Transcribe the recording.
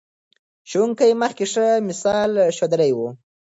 ښوونکي مخکې ښه مثال ښودلی و.